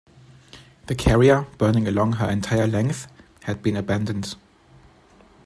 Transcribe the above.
The carrier, burning along her entire length, had been abandoned.